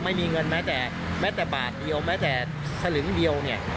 ไม่มีเงินแม้แต่บาทเดียวแม้แต่สลิ้นเดียวเนี่ย